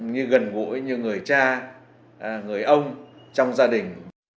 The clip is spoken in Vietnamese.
như gần gũi như người cha người ông trong gia đình